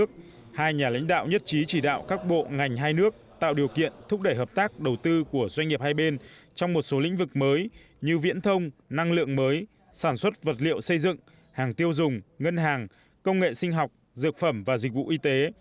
chủ tịch cuba việt nam tạo điều kiện thúc đẩy hợp tác đầu tư của doanh nghiệp hai bên trong một số lĩnh vực mới như viễn thông năng lượng mới sản xuất vật liệu xây dựng hàng tiêu dùng ngân hàng công nghệ sinh học dược phẩm và dịch vụ y tế